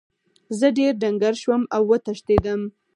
زه ډیر ډنګر شوم او وتښتیدم.